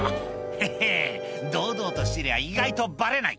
「ヘヘ堂々としてりゃ意外とバレない」